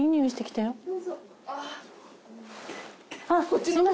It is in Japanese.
あっ。